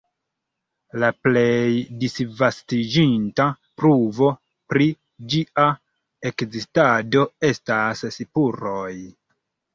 La plej disvastiĝinta pruvo pri ĝia ekzistado estas spuroj.